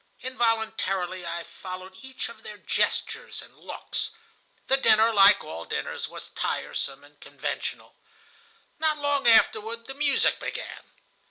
Involuntarily I followed each of their gestures and looks. The dinner, like all dinners, was tiresome and conventional. Not long afterward the music began.